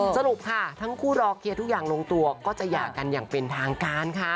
สรุปค่ะทั้งคู่รอเคลียร์ทุกอย่างลงตัวก็จะหย่ากันอย่างเป็นทางการค่ะ